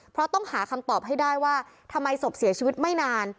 เพราะต้องหาคำตอบให้ได้ว่าทำไมศพเสียชีวิตไม่นาน